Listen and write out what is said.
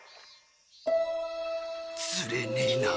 釣れねえな。